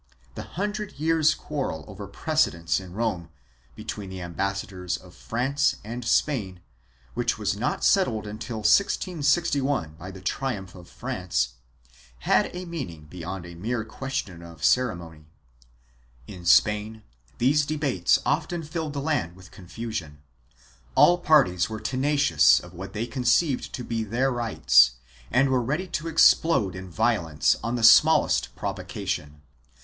The hundred years' quarrel over precedence in Rome, between the ambassadors of France and Spain, which was not settled until 1661 by the triumph of France, had a meaning beyond a mere question of ceremony. In Spain these debates often filled the land with confusion. All parties were tenacious of what they conceived to be their rights and were ready to explode in violence on the smallest provocation.